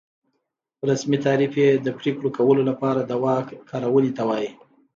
رسمي تعریف یې د پرېکړو کولو لپاره د واک کارونې ته وایي.